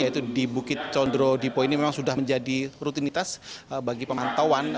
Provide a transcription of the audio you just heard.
yaitu di bukit condro dipo ini memang sudah menjadi rutinitas bagi pemantauan